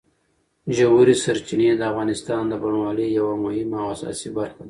ژورې سرچینې د افغانستان د بڼوالۍ یوه مهمه او اساسي برخه ده.